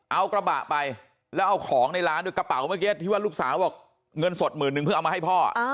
เอากระบะไปแล้วเอาของในร้านด้วยกระเป๋าเมื่อกี้ที่ว่าลูกสาวบอกเงินสดหมื่นนึงเพื่อเอามาให้พ่อ